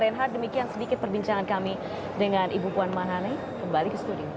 reinhardt demikian sedikit perbincangan kami